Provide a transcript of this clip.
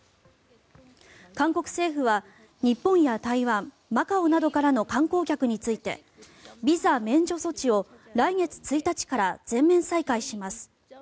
韓国政府は日本や台湾マカオなどからの観光客についてビザ免除措置を来月１日から全面再開します。